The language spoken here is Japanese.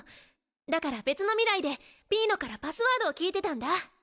だから別の未来でピーノからパスワードを聞いてたんだ。